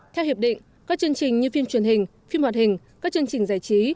theo hiệp định các chương trình như phim truyền hình phim hoạt hình các chương trình giải trí